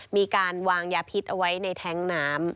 มีการวางยาพิษเอาไว้ในแท้งน้ำ